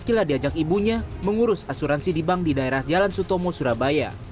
kila diajak ibunya mengurus asuransi di bank di daerah jalan sutomo surabaya